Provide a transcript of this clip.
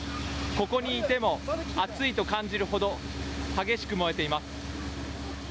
ここにいても熱いと感じるほど、激しく燃えています。